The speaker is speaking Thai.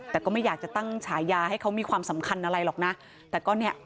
แต่ก็ไม่อยากจะตั้งฉายาให้เขามีความสำคัญอะไรหรอกนะแต่ก็เนี่ย